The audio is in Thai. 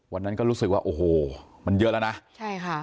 วันนั้นก็รู้สึกว่าโอ้โหมันเยอะแล้วนะใช่ค่ะ